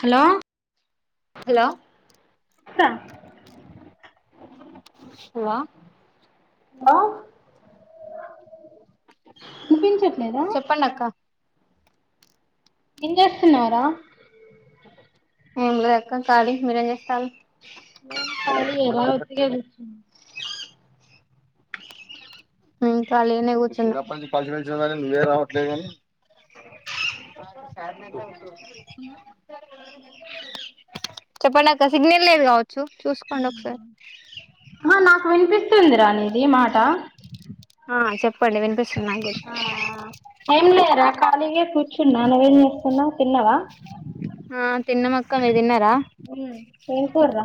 Hello hello స్త hello hello వినిపించట్లేదా చెప్పండి అక్క ఏం చేస్తున్నవ్ రా ఏం లేదు అక్క కాలి మీరు ఏం చేస్తరు మేము కాలీ ఎరా ఒత్తిగా కూచున్నాను ఇంకా లేనే కూచుంలిసి నువ్వే రావట్లేదుని హలో చెప్పండక్క సిగ్నల్లేదు గ చూసుకోండి ఒకసారి తుందిర నీది మాట ఆ చెప్పండి వినిపిస్తుంది నాకు లేరా ఖాళీగా కూర్చున్నా నువ్వేం చేస్తున్నావ్ తిన్నావా కమీరుతున్నారా రా ఏం కుర్రా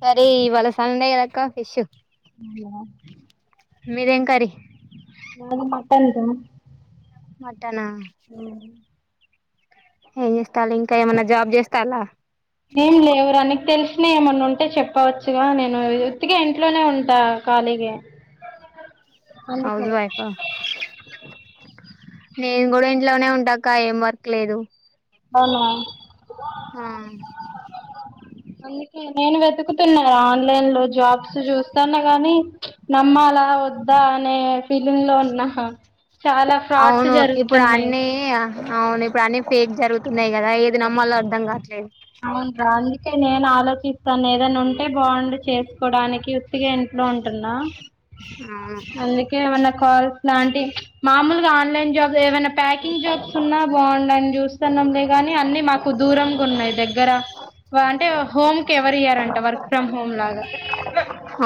కర్రీ ఇవళ సండే కాదక్కా ఫిష్ అవునా మీదేం కర్రీ మాది మట్టన్ రా మ టనా ఏం చేస్తాల ఇంకా ఏమన్నా జాబ్ చేస్తాలా ఏం లేవురా అనికి తెలిసిన ఏమన్నా ఉంటే చెప్పవచ్చుగా నేను ఉత్తిగా ఇంట్లోనే ఉంటా ఖాళీగా హౌజ్ వైఫ్ హా నేను కూడా ఇంట్లోనే ఉంటాక ఏం వర్క్ లేదు అవునా ఆ అందుకే నేను వె వెతుకుతున్నారు ఆన్లైన్ లో జాబ్స్ చూస్తాను గానీ నమ్మాల వద్దా అనే ఫిలు లో ఉన్నా చాలా ఫ్రాడ్స్ అవును ఇప్పుడు జరుగుతున్నాయి అన్నీ అవును ఇప్పుడు అన్నీ ఫేక్ జరుగుతున్నాయి కదా ఏది నమ్మలో అర్థం కావట్లేదు అవున అ నే ఆలోచిం తను ఏదైనా ఉంటే బాగుండు చేసుకోవడానికి ఉత్తిగా ఇంట్లో ఉంటున్నా అవును అందుకే ఏమన్నా క ఇలాంటి మామూలుగా న్ జాబ్ ఏవ ప్యాకింగ్ జాబ్స్ ఉన్నా బాగుండు అని చూస్తున్నాంలే కాగాని, అన్ని మాకు దూరంగా ఉన్నాయి దగ్గర దగ్గర అంటే హోమ్ కి ఎవరు ఇవ్వరంట వర్క్ ఫ్రమ్ హోమ్ లాగా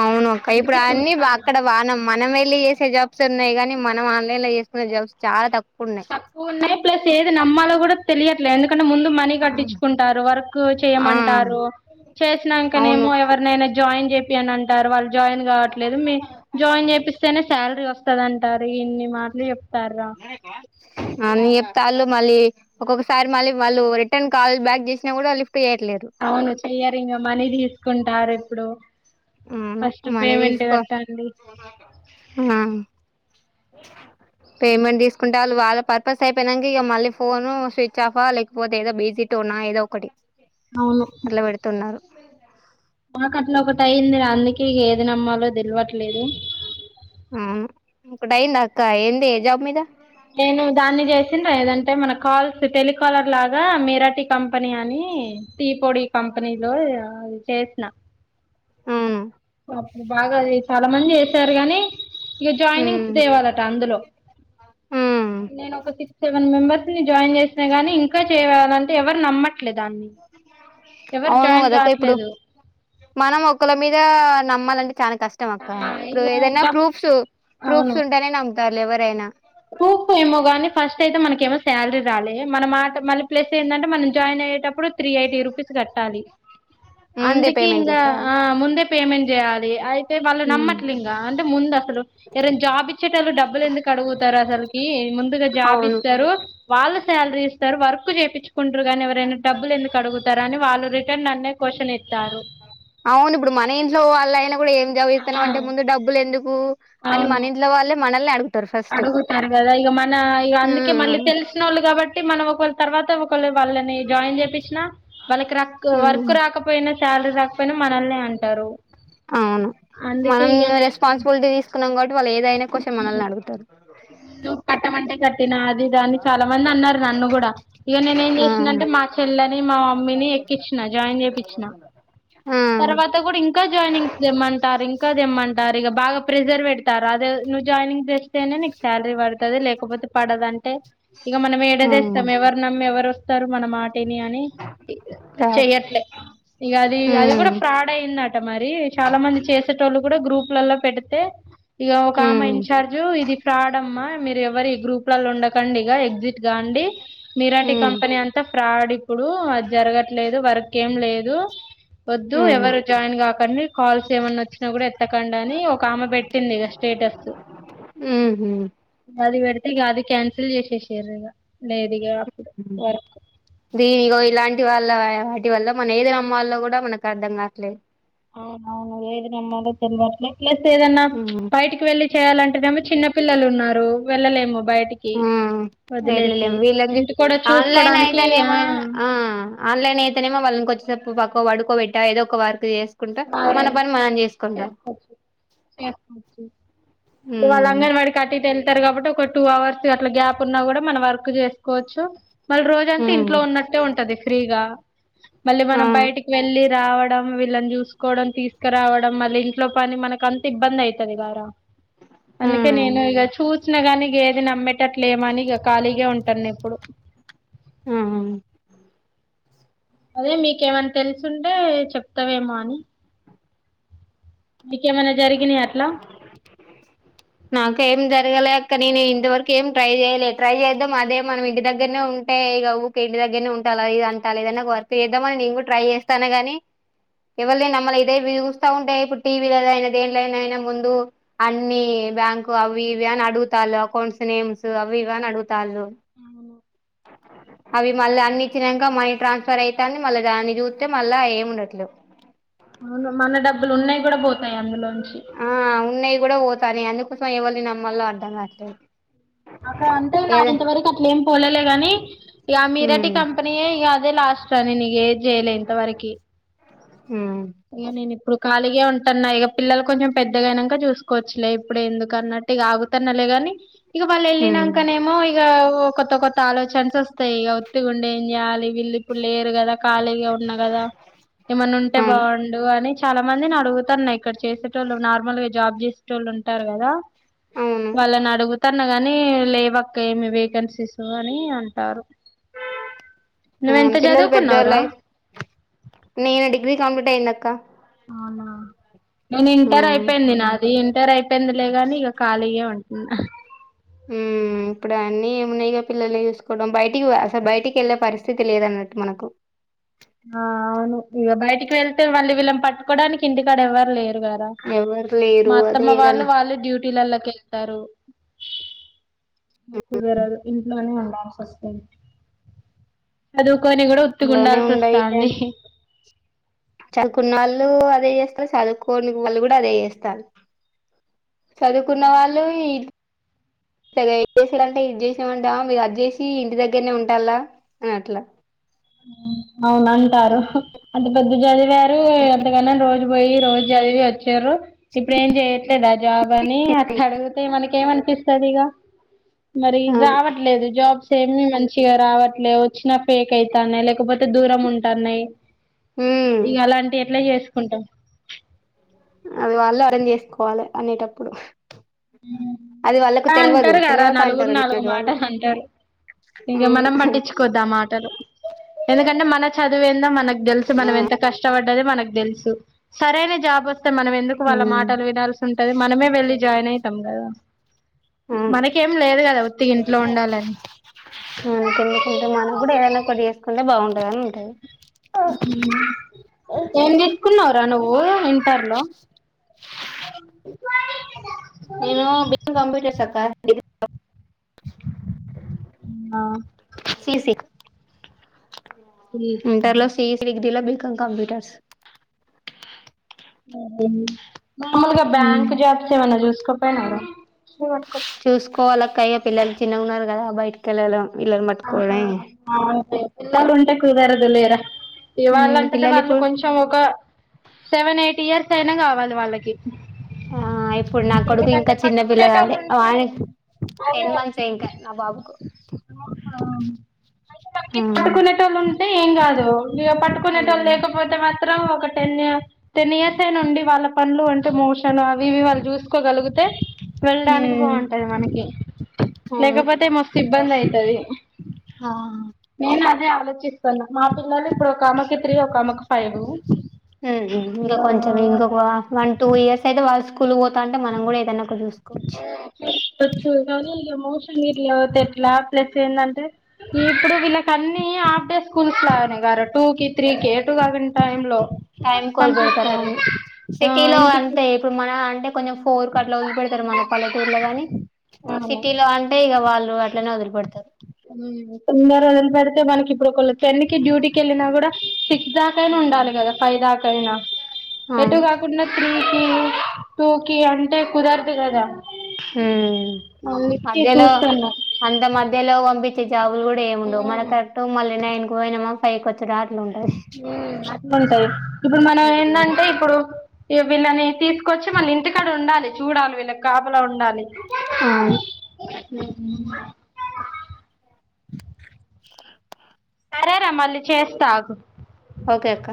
అవును అక్క ఇప్పుడు అన్ని అక్కడ వానం మనం వెళ్ళి చేసే జాబ్స్ ఉన్నాయి కానీ మనం ఆన్లైన్ లో చేసుకున్న జబ్స్ చాలా తక్కు తక్కువ ఉన్నాయి ప్లస్ ఏది నమ్మాలో కూడా తెలియట్లేదు ముందు మనీ కట్టించుకుంటరు వర్క్ ఆ చేయమంటారు అవును చేసినాకనేమో ఎవరినైనా జాయిన్ చే అని అంటారు వాళ్ళు జాయిన్ కావట్లేదు మీ జాయిన్ చేపిస్తేనే శాలరీ వస్త టారు ఇన్ని మాటలు తర్ అన్ని చెప్తాళ్ళు మళ్ళీ ఒక్కొక్కసారి మళ్ళీ వాళ్ళు రిటర్న్ కాల్ బ్యాక్ చేసినా కూడా వాళ్ళు అవును చెయ్యరింగ్ మనీ తీసుకుంటారు అప్పుడో అవును మనీ తీసుకో ఆ పేమెంట్ తీసుకుంటే వాళ్ళు వాళ్ళ పర్పస్ అయిపోయినాక, ఇక మళ్ళీ ఫోను స్విచ్ ఆఫా లేకపోతే ఏదో బిజిట్ ఉన్నా ఏదో ఒకటి అవును అట్లా పెడుతున్నారు మాకు అట్లా ఒకటి అయింది అందుకే ఏది నమ్మాలో తెలవట్లేదు ఆ ఇ కూడా అయింద అక్క ఏంది ఎ జాబ్ మీద నేను దాన్ని చేసిన ఏదంటే మన కాల్స్ టెలికాలర్ లాగా, మేరాటి కంపెనీ అని టీ పొడి కంపెనీలో అ చేసిన అవును అప్పుడు బాగాది చాలా మంది చేసారు కానీ ఇక జాయినింగ్స్ ఉమ్ తేవాలట అందులో ఉమ్ నేను ఒక సిక్స్ సెవెన్ మెంబెర్స్ ని జాయిన్ చేసినా గాని ఇంకా చేయాలంటే ఎవరు నమ్మ అవును జాయిన్ కదక ఇప్పుడు కావట్లేదు మనం ఒకళ్ళ మీద నమ్మాలంటే చాలా కష్టం అక్క ఆ, ఇప్పుడు ఏదైనా ఇక ప్రూఫ్స్ ప్రూఫ్స్ ఉంటేనే క లేవరైనా సాలరీ రాలే మనం మాట మళ ప్లస్ ఏంటంటే మనం జాయిన్ అయ్యేటప్పుడు త్రీ ఎయిటీ రూపీస్ కట్టాలి ముందే అందుకే పేమెంట్ ఇంగ చేసేయాలి ముందే పేమెంట్ జాలే అ వాళ్ళు ఉమ్ నమ్మట్లే ఇంకా అంటే ముందు అసలు ఎరైనా జాబ్ ఇచ్చే వాళ్ళు డబ్బులెందుకు అడగు తర్ అసలుకి ముందుగా జాబ్ అవును ఇస్తారు వాళ్ళు శాలరీ ఇస్తారు వర్క్ చేయించు కుంటురు కానీ ఎవరైనా డబ్బులు ఎందుకు అడుగుతార అ వాళ్ళ రిటర్న్ నన్నే క్వషనే అవును ఇప్పుడు మన ఇంట్లో వాళ్ళ అయినా ఇప్పుడు ఏం చదివితన్నావు అంటే ముందు డబ్బులు ఎందుకు అని మన ఇంట్లో వాళ్ళే మనల్ని అడుగు అడుగుతారు కదా ఇక మన ఇ అందుకే మళ్ళీ ఉమ్ తెలిసిన వాళ్ళు కాబట్టి మనం ఒకవేళ తర్వాత వల్ల వాళ్ళని జాయిన్ చేపించిన వాళ్ళకి ఉమ్ వర్క్ రాకపోయినా శాలరీ రాకపోయినా మనల్ని అంటారు అవును అందుకే ఇ నేను కునం వాళ్ళు ఏదైనా క్వశ్చన్ మనల్నే అడుగుతారు నువ్వు కట్టమంటే కట్టినా అదిదా అని చాలా మంది అన్నారు నన్ను కూడా ఇక నేనే ఏం ఆ చేస్త మా చెల్లనీ మా మమ్మీని ఎక్కించిన జాయిన్ చేపించిన ఆ తర్వాత కూడా ఇంకా జాయినింగ్ చేమంటారు ఇంకా తేమంటారు ఇంకా బాగా ప్రెషర్ పెడతారు అది నువు జయినింగ్స్ తేనె నీకి శాలరీ పడుతది లేకపోతే పడదంటే ఇక మనం ఆ ఏడదేస్తాం ఎవరు నమ్మి ఎవరు వస్తారు మన మాటిని అని రారు చెయ్యట్లేదు ఇక అది అది ఉమ్ కూడా ఫ్రాడ్ అయిందట మరి చాలా మంది చేసేటోళ్ళు కూడా గ్రూప్ లల్లో పెడి తే ఇగో ఒకామ ఉమ్ ఇన్చార్జు ఇది పాడమ్మా మీరు ఎవరి గ్రూప్ లలో ఉండకండి ఇ ఎగ్జిట్ గాండి మీరాటి ఉమ్ కంపెనీ అంతా ప్రాడి ఇప్పుడు అది జరగట్లేదు వర్క్ ఏం లేదు వద్దు ఉమ్ ఎవరు జాయిన్ కా అని కాల్స్ ఏమన్నా వోచ్చినా కూడా ఎత్తకండి అని ఒక ఆమె పెట్టింది ఇగ స్టేటస్ హ్ అది పెడితే ఇగా అది క్యాన్సిల్ చేసేసిఎర్రూ ఇగా లేదు ఇగా దిని ఇగో ఇలాం వాల్ల వాటి వాళ్ళ మన ఏదురు అమ్మొళ్ళు కూడా మనకు అర్థం గారు ట్లె ఆవునవును. ఏది నామ్మాలో తేల్వట్లే ప్లస్ ఏదన్నా ఉమ్ బయటికి వెళ్ళి చేయాలంటేనేమో చిన్న పిల్లలు ఉన్నారు. వెళ్ళలేము బయటికి ఆ వదిలేసి ఎల్లలేం వీళ్ళ జు ఇంటి కూడా ఆన్లైన్ చూసుకోడానికి ఆ అయితేనేమో ఆ ఆన్లైన్ అయితేనేమో వాళ్ళని కొంచెం చెప్పు పక్కకు పడుకోబట్టా ఏదో ఒక వార్క్ చేస్ ఇవాళ్ళ ఉమ్ అంగన్వాడి అటు ఇటు ఎల్ టరు కాబట్టి ఒక టూ అవర్స్ అట్లా గ్యాప్ ఉన్నా కూడా మనం వర్క్ చేసుకోవచ్చు. మళ్ళీ రోజంతా ఉమ్ ఇంట్లో ఉన్నట్టే ఉంటది. ఫ్రీగా మళ్ళీ మనం అవును బయటికి వెళ్ళి రావడం. ల్లన్ జుస్ కోవడం తీసుకురావడం మల్లి ఇంట్లో పని మనకి అంత ఇబ్బంది. అయి టది వారా అందుకే నేను ఇగా చూస్ చిన గాని ఏది నమ్మేటట్టు లేమని ఇగ ఖాళీగా ఉంటాను. ఏప్పుడు ఆ అదే మీకేమైన్నా తెలుసుంటే చెప్తావేమో అని నీకేమన్నా జరిగినయా అ నాకేం దేలు లేక నేను ఇంత వరకు ఏం ట్రై చేయలే ట్రై చేద్దాం. అదే మనం ఇంటి దగ్గరనే ఉంటే ఇగా ఊకె ఇంటి దగ్గరానే ఉంటాల్ల ఇగ అంటారు. ఏదన్న ఒక వర్క్ చేద్దాం. అని నేను కూడా ట్రై చేస్తాన్న గానీ ఏవల్ది ఏం నమ్మలే ఇదే ఇవి చూస్తా ఉంటే ఇప్పుడు టీవీలల్ల ఇగ దేంట్లో నైనా ముందు అన్ని బ్యాంకు అవి ఇవి అని అడుగుతళ్ళు. అకౌంట్స్ నేమ్స్ అవి ఇవ్వీ అని అడుగుతళ్ళు అవి మళ్ళ అన్ని ఇచ్చినంక మనీ ట్రాన్స్ఫర్ అయితంది. మళ్ళ దాన్ని చూత్తే మళ్ళా ఏమి ఉండట్లేవ్ మ మన డబ్బులు ఉన్నాయి. కూడా పోతాయి అందులో ఆ ఉన్నాయి కూడా పో కానీ అందుకోసం ఎవల్లి నమ్మలో అర్థం కావట్లేదు. అక్క అంటే అల్లు ఏదా ఇంతవరకు అట్లే ఏం పోలేలే గాని ఇక మీ రే టి ఉమ్ కంపెనీయే ఇక అదే లాస్ట్ టనీ నీ గేది జయలే ఇంత వరకి ఉమ్ ఇగ నేను ఇప్పుడు ఖాళీగే ఉంటాన్నా ఇగా పిల్లలు కొంచెం పెద్దగా అయి నంక చూసుకోవచ్చులే ఇప్పుడు ఎందుకు అన్నట్టు ఇగా ఆగుతన్నలే గాని ఇక వాళ్ళు ఎల్లి ఉమ్ నాంక నేమో ఇగా కొత్త కొత్త ఆలోచన్స్ ఓస్తాయి ఇగ ఉత్తిగా ఉండి ఏం చేయాలి. వీళ్ళు ఇప్పుడు లేర్ గకదా, ఖాళీగా ఉన్నా కదా. ఏమన్నున్టే అవును బాగ్ డు అని చాలా మంది ని అడుగుతాన్న ఇక్కడ చేసేటోళ్ళు, నార్మల్ గా జాబ్ చేసేటోళ్ళు ఉంటారు కదా. అవును వాళ్లనడుగుత్ తన్న గనీ, లేవక్క ఏమి వేకేన్స్. సిస్ అని అంటార్రు. అవును పిల్లలు చదువుకున్నావురా పెద్దోల్లైత్, నేను డిగ్రీ కంప్లీట్ అయిందక్ క్క అవునా నేను, ఇంటర్ మ్మ్ అయిపోయింది నాది ఇన్ టరై పోయిందిలే గనీ, ఇగ ఖాలిగే ఉన్ ఉమ్ ఉమ్ ఇప్పుడన్నీ ఏమున్నయిగా? పిల్లల్ని చూసుకోవడం, బయటికి పోయే అసలు బయటికి వెళ్ళే పరిస్థితి లేదన్నట్టు మనకు. ఆ అవును, ఇగ బయటికి వెళ్తే మళ్ళీ వీళ్ళని పట్టుకోవడానికి ఇంటికాడ ఎవ్వరులేరు. ఎవరు లేరు మా అదే అత్తమ్మ ఏదన్ వాళ్ళు, వాళ్ళ డ్యూటీలల్లక్ కెళ్తరూ. గ కుదరదు, ఇంట్లోనే ఉన్ మరూక్ కొని కూడ, లోనే ఉత్తుగుండాల్సి ఉండయి వస్తామ్ది. చదువుకున్న వాల్లూ అదే చేస్తల్, చదువుకోని గ వాళ్ళు కూడా అదే చేస్తాళ్ళు. చదువుకున్న వాళ్ళు ఇద్ చేసుడంటే, ఇది చేసీయమంటె ఆ మీరు అది చేసియి, ఇంటి దగ్గరనే ఉంటాల్లా అని అట్లా. అవును, అంటార్రు. అంత పెద్ద చదివే టె ఎంతగన్నన్ రోజు పోయి రోజు చదివి వచ్చిర్రు, ఇప్పుడు ఏం చేయట్లేదా జాబ్ అని. అట్లా అడిగితే మనకేమనిపిస్తదిగ? మరి, అవును రావట్లేదు జాబ్స్ ఏమి. మంచిగా రావట్లే, ఒచ్చిన పేక్ అయి తానై. లేకపోత్ దూరం ఉంటన్నాయి, మ్మ్ ఇగ అలాంటియి ఎట్లా చేస్ అంటా. అగో ఆళ్ళే అరేంజ్ చేసుకోవాలె, అనేటప్పుడు అది వాళ్ళకు తెల్వదు అంటరు కదరా తెల్వక నలుగురు అంటారు నాలుగు అన్నట్టు వాళ్ళు మాటలు అంటరు. ఇంక మనం పట్టించుకోవద్దామాటలు. ఎందుకంటే, మన చదువెందో మనక్ తెలుసు, ఆ మనం ఎంత కష్ ట్ట పడ్డది మనకు తెలుసు, సరైన జాబోస్ త్తె మనం ఎందుకు వాళ్ళ మాటలు వినాల్సి ఉంటది? మనమే వెళ్లి జాయిన్ అయి తం గదా. ఆ మనకేం లేదు కదా, వోత్ ప్రతి ఇంట్లో ఉండాలది మనకు ఎందుకుంటాది మనకు కూడా ఏదైనా కొద్దిగా ఎసుకున్నా బాగుండు బానే అంటాయ ఏం తీసుకున్నావురా నువ్వు ఇంటర్ లో నేను బి. కాం కంప్యూటర్స్ అక్క ఎ [inaudible] ఆ సి సి బీఎడ్ ఇంటర్ లో C E C degree B com computers ఆ [inaudible] మామూలుగా బ్యాంక్ జాబ్స్ ఏవన్నా చూసు కొప్పెనార చూసుకోవాల అక్క అయ పిల్లలు చిన్నగాన్నారు రా బైటకెళ్ళాదాం అవున పిల్లలు ఉంటే కుదారదు లేరా ఇవాళంటది పిల్లలు వాళ్ళు ఇప్పుడు కొంచెం ఒక సెవెన్ ఎయిట్ ఇయర్స్ ఇప్పుడైనా కావాలి వాళ్ళకి ఆ ఇప్పుడు నా కొడుకు ఇంకా చిన్న పిల్లవాడై ఆడే టెన్ మంత్స్ ఏ ఇంకా నా బాబుకు అయితే మనకి పట్టుకునేటోళ్ళు ఉంటే ఏం కాదు ఇగ పట్టుకునేటోళ్ళు లేకపోతే మాత్రం ఒక టెన్ టెన్ ఇయర్స్ అయిన ఉండే వాళ్ళకు పనులు అంటే మోషన్ అవి ఇవి వాళ్ళు చూసుకోగలిగితే వెళ్ళడానికి బాగుంటది మనకి లేకపోతే మస్త్ అవును అవును అదే ఆలోచన మా పిల్లలు ఇప్పుడు ఒక అమెకి త్రీ ఒక ఆమెకి ఫైవ్ హ్మ్ ఇంకా కొంచెం ఇంకొక వన్ టూ ఇయర్స్ అయితే వాళ్ళు స్కూల్ కు పోతా ఉంటే మనం కూడా ఏదన్నా ఒక చూస్ సచ్చనీ మస [inaudible] మీరు లేకపొతే ఎట్లా ప్లస్ ఏంది అంటే, నువ్వు ఇప్పుడు విల్లకి హన్ని హాఫ్ డే స్కూల్స్ టూ కి త్రీ కి ఎటూ కాకుండా టైం లో ఆ సిటీలో ఇంటికి అంతే ఇప్పుడు మనం అంటే కొనేసు పోరుకట్లా వదిలి పెడతారు మన పల్లెటూరులో గాని సిటీలో అంటే ఇక వాళ్ళు అట్లనే వదిలి పెడుతరు తొందర వదిలిపెడతే వాళ్ళకిప్పుడు కొ టెన్ కి డ్యూటీకి వెళ్ళినా కూడా సిక్స్ దాకాయినా ఉండాలి కదా ఫైవ్ దాకా అయినా ఎటు అవును కాకుండా త్రీ టూకి అంటే కుదరదు కదా హు మధ్యలో అంత మధ్యలో పంపిస్తే ఈ జాబ్ కూడా ఏమిండవు మన కరెక్ట్ మళ్లి నైన్ పోయినమా ఫైవ్ కోచ్చి రాత్రి అట్లుంటాయి ఇప్పుడు మనం ఏందంటే ఇప్పుడు వీళ్ళని తీసుకొచ్చి మళ్ళీ ఇంటికాడ ఉండాలి చూడాలి వీళ్ళకి కాపలా ఉండాలి ఆవును సే సరేరా మళ్ళీ చేస్తాగు ఓకే అక్క